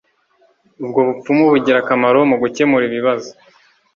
ubwo bupfumu bugira akamaro mugukemura ibibazo